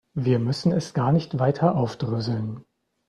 Wir müssen es gar nicht weiter aufdröseln.